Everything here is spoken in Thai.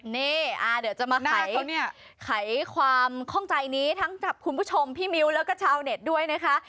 นี่เดี๋ยวจะมาไขความข้องใจนี้ทั้งกับคุณผู้ชมพี่มิ้วแล้วก็ชาวเน็ตด้วยนะคะ